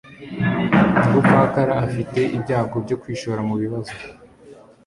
Nyararupfakara afite ibyago byo kwishora mubibazo.